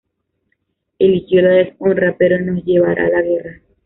Eligió la deshonra, pero nos llevará a la guerra".